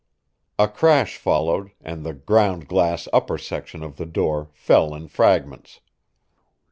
A crash followed, and the ground glass upper section of the door fell in fragments.